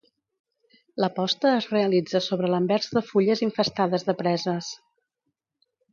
La posta es realitza sobre l'anvers de fulles infestades de preses.